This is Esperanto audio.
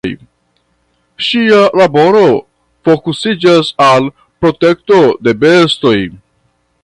Ŝia laboro fokusiĝas al protekto de bestoj.